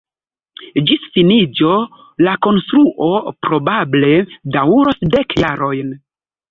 Ĝis finiĝo la konstruo probable daŭros dek jarojn.